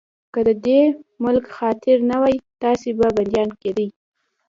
که د دې ملک خاطر نه وای، تاسې به بنديان کېدئ.